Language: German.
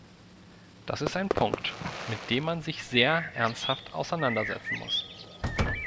Das ist ein Punkt, mit dem man sich sehr ernsthaft auseinandersetzen muss.